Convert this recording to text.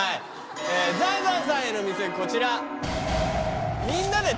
ザアザアさんへの禊こちら。